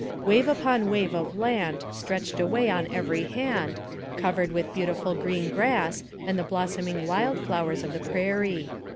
Wave upon wave of land stretched away on every hand, covered with beautiful green grass and the blooming wild flowers of the prairie.